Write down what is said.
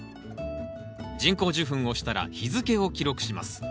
人工授粉をしたら日付を記録します。